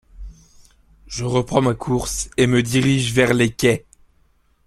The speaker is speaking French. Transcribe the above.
Je reprends ma course et me dirige vers les quais.